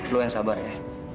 lu yang sabar ya